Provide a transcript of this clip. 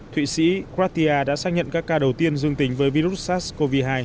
thụy sĩ gratia đã xác nhận các ca đầu tiên dương tính với virus sars cov hai